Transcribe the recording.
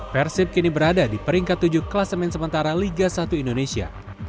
persib kini berada di peringkat tujuh kelas main sementara liga satu indonesia